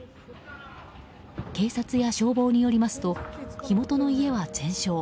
警察や消防によりますと火元の家は全焼。